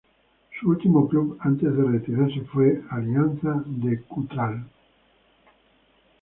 Su último club antes de retirarse fue Alianza de Cutral-Có.